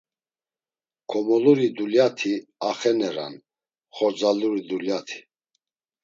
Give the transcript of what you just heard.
Komoluri duylati axeneran, xordzaluri duylati.